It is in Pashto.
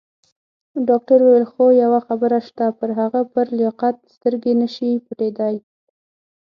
ډاکټر وویل: خو یوه خبره شته، پر هغه پر لیاقت سترګې نه شي پټېدای.